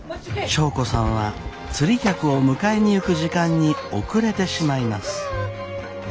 祥子さんは釣り客を迎えに行く時間に遅れてしまいます。